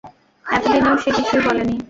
এতদিনেও সে কিছুই বলেনি।